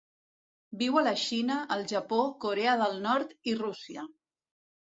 Viu a la Xina, el Japó, Corea del Nord i Rússia.